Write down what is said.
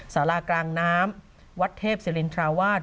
สารากลางน้ำวัดเทพศิรินทราวาส